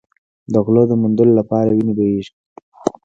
د غلو د موندلو لپاره وینې بهېږي.